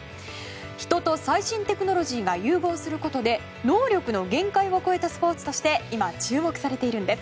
人と最新テクノロジーが融合することで能力の限界を超えたスポーツとして今、注目されているんです。